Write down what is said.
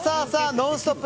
「ノンストップ！」